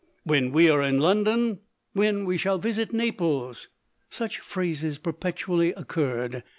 " When we are in London," —" When we shall visit Naples," — such phrases perpetually oc curred.